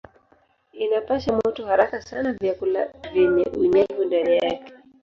Inapasha moto haraka sana vyakula vyenye unyevu ndani yake.